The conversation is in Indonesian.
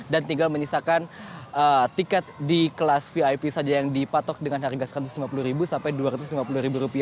tinggal menyisakan tiket di kelas vip saja yang dipatok dengan harga rp satu ratus lima puluh sampai rp dua ratus lima puluh